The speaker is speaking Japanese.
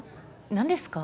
何ですか？